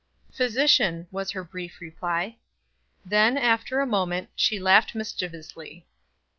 "Physician," was her brief reply. Then, after a moment, she laughed mischievously.